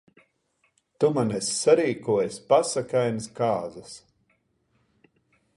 Tu man esi sarīkojis pasakainas kāzas.